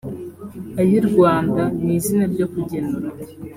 Ayirwanda ni izina ryo kugenura